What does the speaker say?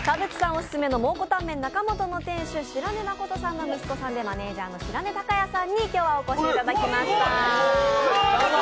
オススメの蒙古タンメン中本の店主、白根誠さんの息子さんでマネージャーの白根隆也さんに今日はお越しいただきました。